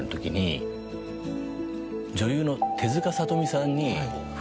女優の手塚理美さんに。